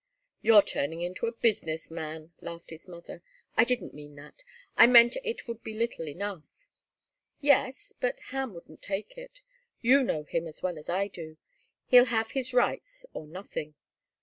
"You're turning into a business man," laughed his mother. "I didn't mean that. I meant it would be little enough." "Yes but Ham wouldn't take it. You know him as well as I do. He'll have his rights or nothing.